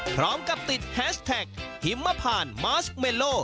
พร้อมกับติดแฮชแท็กหิมพานมาสเมโล